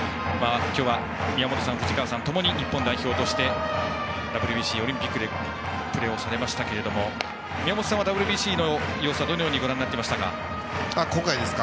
今日は宮本さん、藤川さんともに日本代表としてＷＢＣ、オリンピックでもプレーされましたが宮本さんはＷＢＣの様子はどのようにご覧になってましたか。